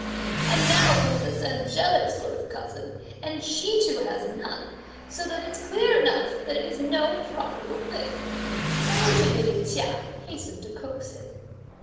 and now comes this angelic sort of cousin, and she too has none, so that it's clear enough that it is no profitable thing." Dowager lady Chia hastened to coax him.